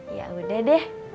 ya udah deh